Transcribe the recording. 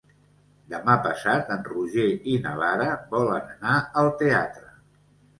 Demà passat en Roger i na Lara volen anar al teatre.